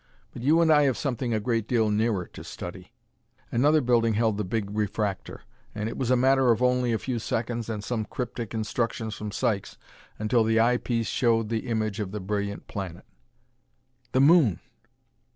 But you and I have something a great deal nearer to study." Another building held the big refractor, and it was a matter of only a few seconds and some cryptic instructions from Sykes until the eye piece showed the image of the brilliant planet. "The moon!"